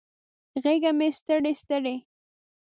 غیږه مې ستړي، ستړي